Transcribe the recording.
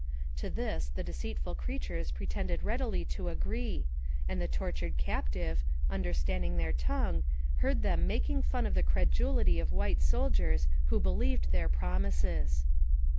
To this the deceitful creatures pretended readily to agree, and the tortured captive, understanding their tongue, heard them making fun of the credulity of white soldiers who believed their promises.